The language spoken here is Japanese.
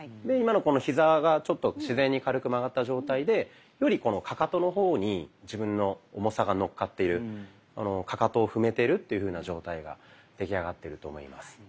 で今のヒザがちょっと自然に軽く曲がった状態でよりかかとの方に自分の重さが乗っかっているかかとを踏めてるっていうふうな状態が出来上がってると思います。